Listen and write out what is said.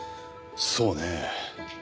そうねえ。